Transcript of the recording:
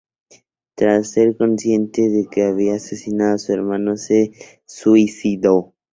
Tras ser consciente de que había asesinado a su hermano se suicidó.